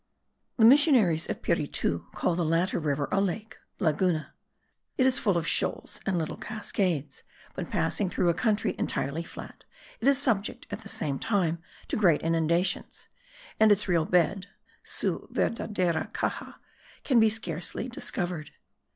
The missionaries of Piritu call the latter river a lake (laguna): it is full of shoals, and little cascades; but, passing through a country entirely flat, it is subject at the same time to great inundations, and its real bed (su verdadera caxa) can scarcely be discovered.